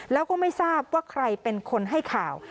แล้วก็ไม่ทราบว่าใครเป็นคนให้ข่าว